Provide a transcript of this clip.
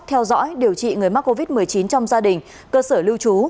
theo dõi điều trị người mắc covid một mươi chín trong gia đình cơ sở lưu trú